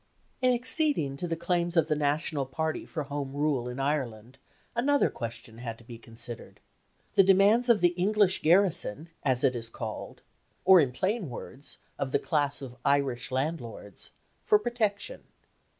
In acceding to the claims of the National Party for Home Rule in Ireland another question had to be considered: the demands of the English garrison, as it is called or, in plain words, of the class of Irish landlords for protection.